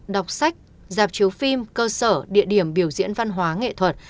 đọc sách dạp chiếu phim cơ sở địa điểm biểu diễn văn hóa nghệ thuật